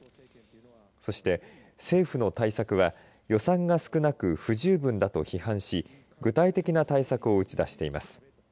そして、政府の対策は予算が少なく不十分だと批判し具体的な対策を打ち出しています。